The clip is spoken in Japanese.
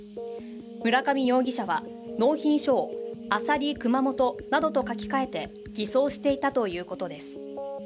村上容疑者は、納品書を「あさり熊本」などと書き換えて偽装していたということです。